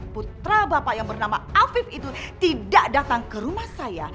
putra bapak yang bernama afif itu tidak datang ke rumah saya